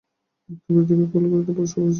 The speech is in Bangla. মুক্তি বীরদিগেরই করতলগত, কাপুরুষদিগের নহে।